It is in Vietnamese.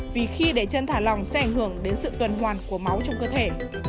vì khi để chân thả lòng sẽ ảnh hưởng đến sự tuần hoàn của máu trong cơ thể